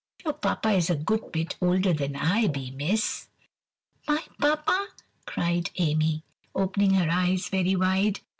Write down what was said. Your Papa is a good bit older than I be, miss." "My Papa!" cried Amy, opening her eyes very wide.